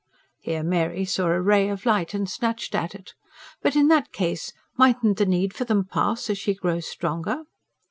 Here Mary saw a ray of light, and snatched at it. "But in that case mightn't the need for them pass, as she grows stronger?"